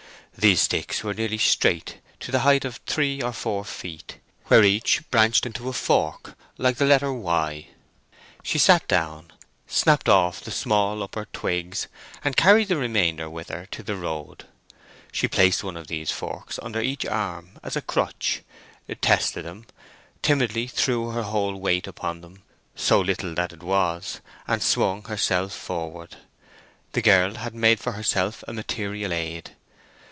These sticks were nearly straight to the height of three or four feet, where each branched into a fork like the letter Y. She sat down, snapped off the small upper twigs, and carried the remainder with her into the road. She placed one of these forks under each arm as a crutch, tested them, timidly threw her whole weight upon them—so little that it was—and swung herself forward. The girl had made for herself a material aid.